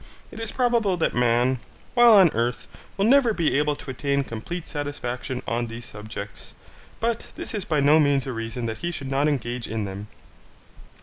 It is probable that man, while on earth, will never be able to attain complete satisfaction on these subjects; but this is by no means a reason that he should not engage in them.